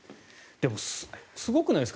でも、すごくないですか